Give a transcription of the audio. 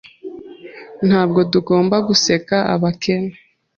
Ntabwo tugomba guseka abakene.